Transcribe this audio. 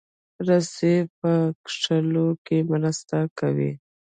رسۍ په کښلو کې مرسته کوي.